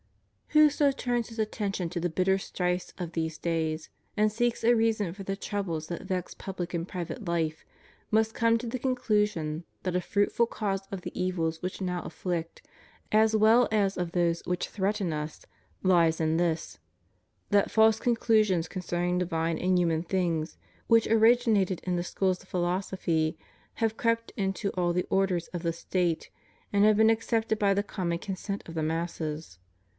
Whoso turns his attention to the bitter strifes of these days and seeks a reason for the troubles that vex public and private life, must come to the conclusion that a fruitful cause of the evils which now afflict, as weU as of those which threaten us, lies in this: that false con clusions concerning divine and human things, which originated in the schools of philosophy, have crept into all the orders of the State, and have been accepted by the common consent of the masses.